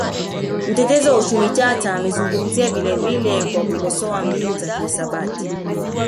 Mtetezi wa uchumi tata amezungumzia vilevile kwa kukosoa mbinu za kihisabati